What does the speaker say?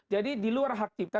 jadi di luar hak tipta